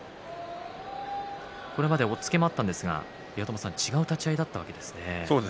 これまで押っつけもあったんですが違う立ち合いだったわけですね。